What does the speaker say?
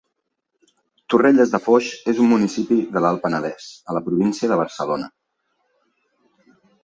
Torrelles de Foix és un municipi de l'Alt Penedès, a la província de Barcelona.